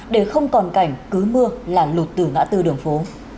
để không còn cảnh cứ mưa là lụt từ ngã tư đường phố